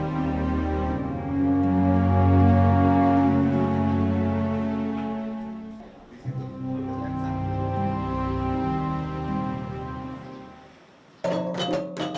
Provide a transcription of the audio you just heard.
selama posuo berlangsung